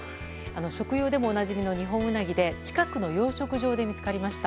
食用でもおなじみのニホンウナギで近くの養殖場で見つかりました。